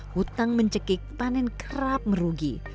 hutang mencekik panen kerap merugi